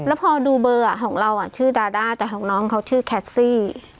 แล้วพอดูเบอร์ของเราชื่อดาด้าแต่ของน้องเขาชื่อแคสซี่